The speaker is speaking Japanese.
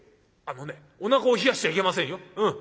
あのねおなかを冷やしちゃいけませんよ。